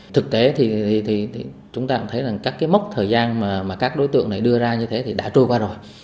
thực tế thì chúng ta cũng thấy rằng các cái mốc thời gian mà các đối tượng này đưa ra như thế thì đã trôi qua rồi